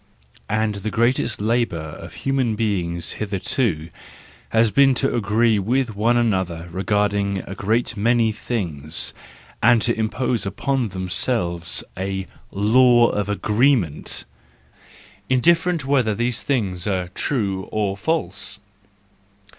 And the greatest labour of human be¬ ings hitherto has been to agree with one another regarding a great many things, and to impose upon themselves a law of agreement —indifferent whether these things are true or false.